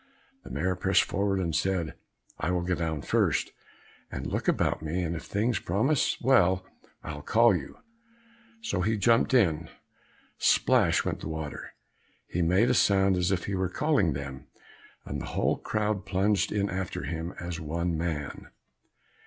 The Mayor pressed forward and said, "I will go down first, and look about me, and if things promise well I'll call you." So he jumped in; splash! went the water; he made a sound as if he were calling them, and the whole crowd plunged in after him as one man.